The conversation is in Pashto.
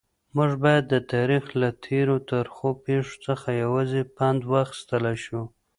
موږ باید د تاریخ له تېرو ترخو پیښو څخه یوازې پند واخیستلای شو.